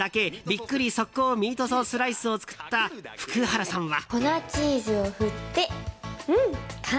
ビックリ速攻ミートソースライスを作った福原さんは。